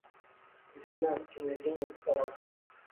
Ko`zingdan kimliging uqib olaman